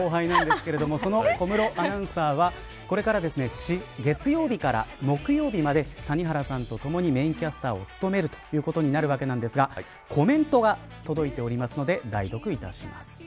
小室アナウンサーは月曜日から木曜日まで谷原さんと共にメーンキャスターを務めることになるわけですがコメントが届いておりますので代読いたします。